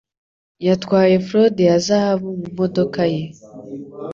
yatwaye frode ya zahabu mumodoka ye